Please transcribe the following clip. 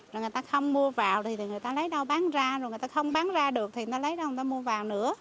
rồi người ta không mua vào thì người ta lấy đâu bán ra rồi người ta không bán ra được thì người ta lấy đâu người ta mua vào nữa